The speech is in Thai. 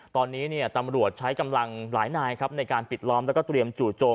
ตอนนี้ตำรวจใช้กำลังหลายนายครับในการปิดล้อมแล้วก็เตรียมจู่โจม